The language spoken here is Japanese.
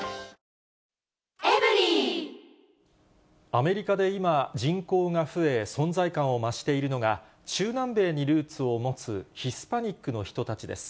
アメリカで今、人口が増え、存在感を増しているのが、中南米にルーツを持つヒスパニックの人たちです。